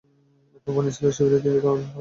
এরপর বনী ইসরাঈলের শিবিরের দিকে অগ্রসর হল।